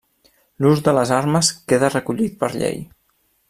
L'ús de les armes queda recollit per llei.